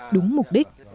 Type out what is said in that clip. đúng mục đích